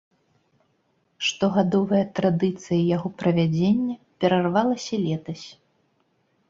Штогадовая традыцыя яго правядзення перарвалася летась.